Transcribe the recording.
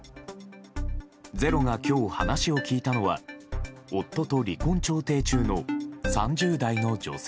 「ｚｅｒｏ」が今日話を聞いたのは夫と離婚調停中の３０代の女性。